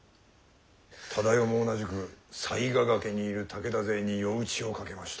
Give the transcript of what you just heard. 忠世も同じく犀ヶ崖にいる武田勢に夜討ちをかけました。